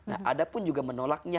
ada pun juga menolaknya